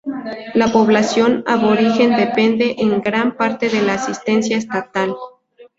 La población aborigen dependen en gran parte de la asistencia estatal.